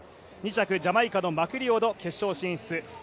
２着ジャマイカのマクリオド決勝進出。